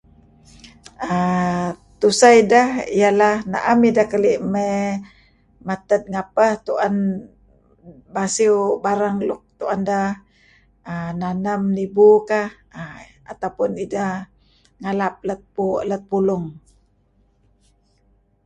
err Tuseh ideh ia lah na'em ideh keli' mey mated ngapeh tu'en masiew barang luk tu'en deh nanem nibu kah atau pun ideh ngalap let pulung.